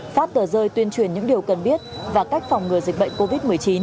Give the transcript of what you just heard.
phát tờ rơi tuyên truyền những điều cần biết và cách phòng ngừa dịch bệnh covid một mươi chín